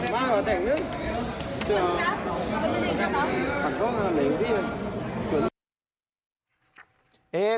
มาก่อนแต่งนึง